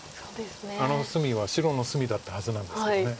あの隅は白の隅だったはずなんですよね。